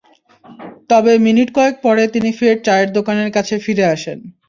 তবে মিনিট কয়েক পরে তিনি ফের চায়ের দোকানের কাছে ফিরে আসেন।